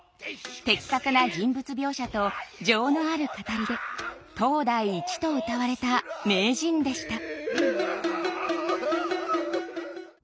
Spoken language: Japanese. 的確な人間描写と情のある語りで「当代一」とうたわれた名人でした。